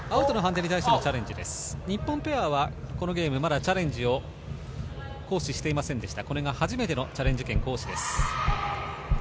日本ペアはこのゲーム、まだチャレンジを行使していませんでしたが、これが初めての行使です。